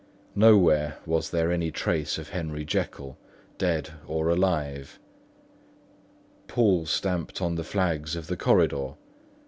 Nowhere was there any trace of Henry Jekyll, dead or alive. Poole stamped on the flags of the corridor.